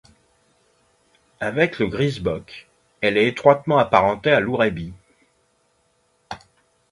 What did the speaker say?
Avec le grysbok, elle est étroitement apparentée à l'ourébi.